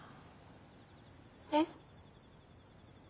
えっ？